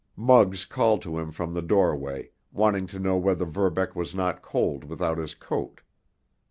Muggs called to him from the doorway, wanting to know whether Verbeck was not cold without his coat.